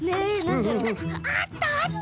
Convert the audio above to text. あったあった！